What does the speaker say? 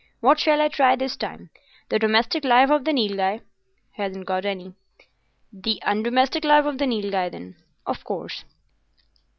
What shall I try this time? The domestic life of the Nilghai?" "Hasn't got any." "The undomestic life of the Nilghai, then. Of course.